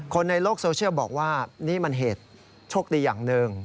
คนในโลกโซเชียลบอกว่านี่มันเหตุโชคดีอย่างหนึ่ง